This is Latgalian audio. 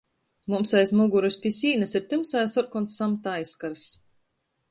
Mums aiz mugurys pi sīnys ir tymsai sorkons samta aizkors.